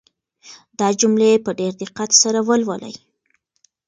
دا جملې په ډېر دقت سره ولولئ.